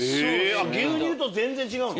牛乳と全然違うの？